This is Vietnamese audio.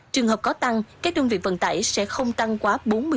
trường hợp có tăng các đơn vị vận tải sẽ không tăng quá bốn mươi